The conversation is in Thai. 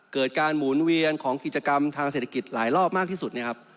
การหมุนเวียนของกิจกรรมทางเศรษฐกิจหลายรอบมากที่สุดนะครับ